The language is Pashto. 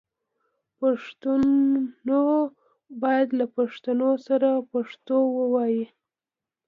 پښتون باید له پښتون سره پښتو ووايي